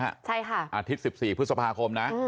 ใช่ค่ะอาทิตย์สิบสี่พฤษภาคมนะอืม